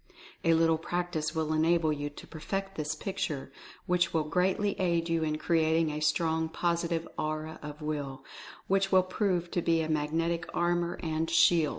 A little practice will enable you Concluding Instruction 247 to perfect this picture, which will greatly aid you in creating a strong Positive Aura of Will, which will prove to be a Magnetic Armor and shield.